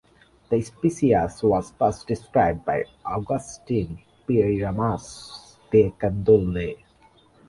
The species was first described by Augustin Pyramus de Candolle.